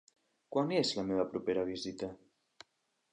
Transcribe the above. Quan és la meva propera visita?